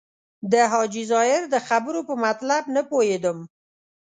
د حاجي ظاهر د خبرو په مطلب نه پوهېدم.